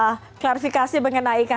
untuk memberikan klarifikasi bengen lainnya ya